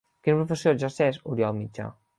Quina professió exerceix Oriol Mitjà?